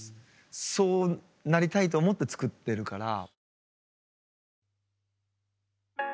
そうなりたいと思って作ってるから。